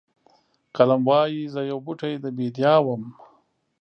قلم وایي زه یو بوټی د بیدیا وم.